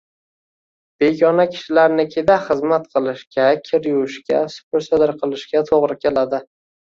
Begona kishilarnikida xizmat qilishga, kir yuvishga, supir-sidir qilishga to`g`ri keldi